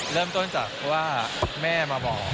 เริ่มต้นจากว่าแม่มาบอก